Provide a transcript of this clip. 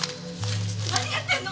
何やってんの！？